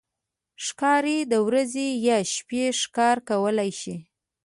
ښکاري د ورځې یا شپې ښکار کولی شي.